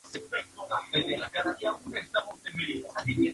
Existen dos tipos básicos de redes sociales móviles.